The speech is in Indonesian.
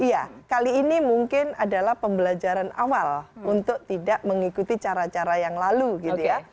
iya kali ini mungkin adalah pembelajaran awal untuk tidak mengikuti cara cara yang lalu gitu ya